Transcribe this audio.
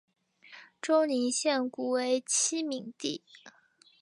周宁县古为七闽地。